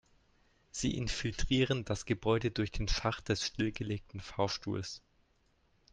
Sie infiltrieren das Gebäude durch den Schacht des stillgelegten Fahrstuhls.